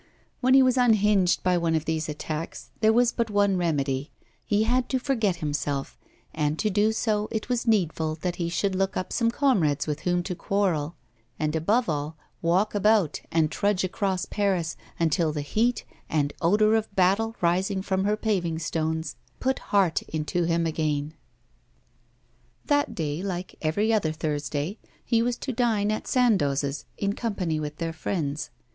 When he was unhinged by one of these attacks there was but one remedy, he had to forget himself, and, to do so, it was needful that he should look up some comrades with whom to quarrel, and, above all, walk about and trudge across Paris, until the heat and odour of battle rising from her paving stones put heart into him again. That day, like every other Thursday, he was to dine at Sandoz's, in company with their friends.